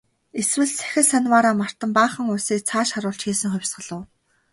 Эсвэл сахил санваараа мартан баахан улсыг цааш харуулж хийсэн хувьсгал уу?